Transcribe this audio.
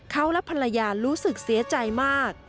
เขาและภรรยารู้สึกเสียใจมาก